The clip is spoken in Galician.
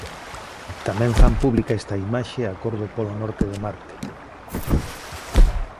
Tamén fan pública esta imaxe a cor do polo norte de Marte.